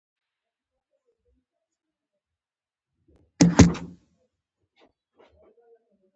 د بدخشان په کشم کې د سرو زرو نښې شته.